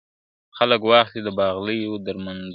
خلک واخلي د باغلیو درمندونه ,